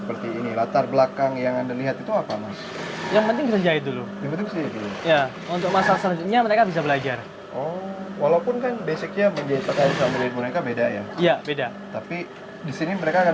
boneka yang berbau toga